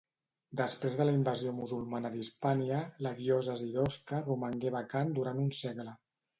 Després de la invasió musulmana d'Hispània, la diòcesi d'Osca romangué vacant durant un segle.